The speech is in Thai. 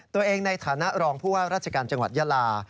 ในฐานะรองผู้ว่าราชการจังหวัดยาลา